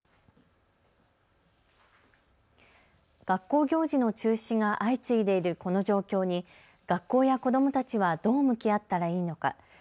学校行事の中止が相次いでいるこの状況に学校や子どもたちはどう向き合ったらいいのか。